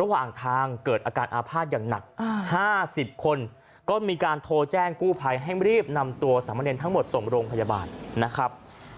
ระหว่างทางเกิดอาการอาภาษณ์อย่างหนัก๕๐คนก็มีการโทรแจ้งกู้ภัยให้รีบนำตัวสามเนรทั้งหมดส่งโรงพยาบาลนะครับ